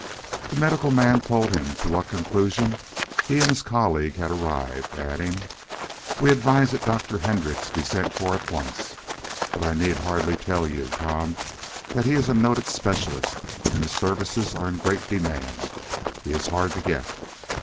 The medical man told him to what conclusion he and his colleague had arrived, adding: "We advise that Dr. Hendrix be sent for at once. But I need hardly tell you, Tom, that he is a noted specialist, and his services are in great demand. He is hard to get."